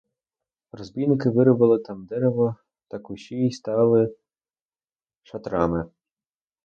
Розбійники вирубали там дерево та кущі й стали шатрами.